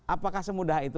apakah semudah itu